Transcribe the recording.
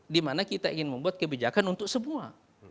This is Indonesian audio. dimana kita ingin membuat kebijakan untuk semua